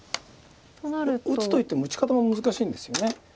打つといっても打ち方も難しいんですよね。